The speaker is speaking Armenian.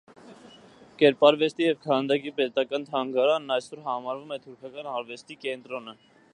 Կերպարվեստի և քանդակի պետական թանգարանն այսօր համարվում է թուրքական արվեստի կենտրոնը։